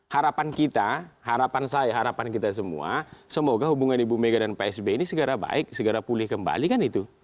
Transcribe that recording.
harapan kita harapan saya harapan kita semua semoga hubungan ibu mega dan pak sby ini segera baik segera pulih kembali kan itu